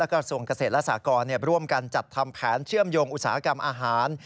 กระทรวงเกษตรและสากรร่วมกันจัดทำแผนเชื่อมโยงอุตสาหกรรมอาหาร